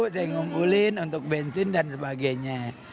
saya ngumpulin untuk bensin dan sebagainya